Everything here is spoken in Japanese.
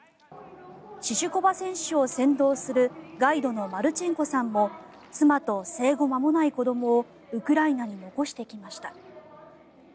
シシュコバ選手を先導するガイドのマルチェンコさんも妻と生後間もない子どもをウクライナに残してきました。